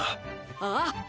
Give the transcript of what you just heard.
ああ。